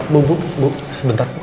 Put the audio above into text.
bu bu sebentar